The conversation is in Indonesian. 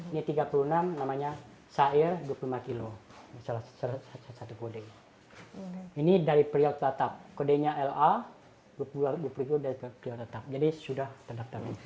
ini tiga puluh enam namanya sair dua puluh lima kilo salah satu kode ini dari pria telatap kodenya la jadi sudah terdaftar